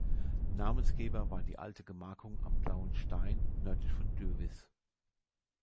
Namensgeber war die alte Gemarkung "Am blauen Stein" nördlich von Dürwiß.